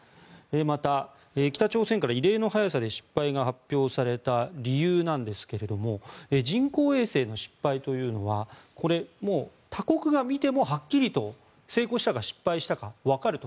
また、北朝鮮から異例の早さで失敗が発表された理由なんですが人工衛星の失敗というのは他国が見てもはっきりと成功したか失敗したかわかると。